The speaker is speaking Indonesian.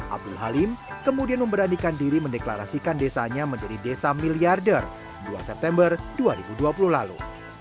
abdul halim kemudian memberanikan diri mendeklarasikan desanya menjadi desa miliarder dua september dua ribu dua puluh lalu